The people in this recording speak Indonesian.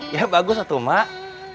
ya bagus tuh mak